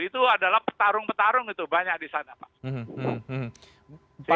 itu adalah petarung petarung itu banyak di sana pak